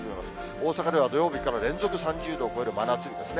大阪では土曜日から連続３０度を超える真夏日ですね。